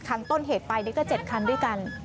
ต้นเหตุไปนี่ก็๗คันด้วยกัน